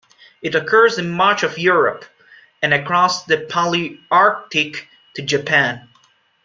It occurs in much of Europe, and across the Palearctic to Japan.